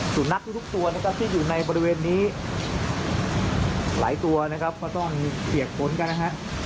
ส่วนที่อยู่ในบริเวณนี้หลายตัวก็ต้องเสียขนกันนะครับ